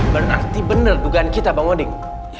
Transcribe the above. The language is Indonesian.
berarti bener dugaan kita bang wading